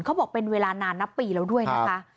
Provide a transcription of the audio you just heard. เขาบอกเป็นเวลานานนับปีแล้วด้วยนะคะ